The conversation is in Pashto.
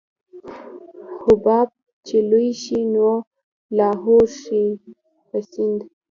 حباب چې لوى شي نو لاهو شي په سيند.